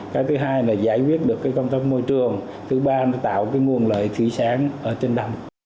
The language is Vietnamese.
cái thứ hai là giải quyết được cái công tốc môi trường thứ ba là tạo cái nguồn lợi thúy sáng ở trên đầm